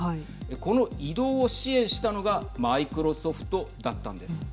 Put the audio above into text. この移動を支援したのがマイクロソフトだったんです。